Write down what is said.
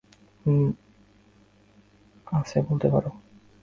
হুম, আছে বলতে পারো।